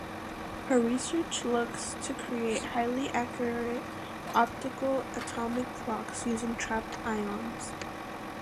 Her research looks to create highly accurate optical atomic clocks using trapped ions.